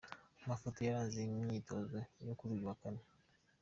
Amafoto yaranze imyitozo yo kuri uyu wa kane.